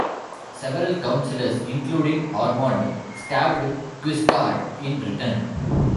Several Councillors, including Ormonde, stabbed Guiscard in return.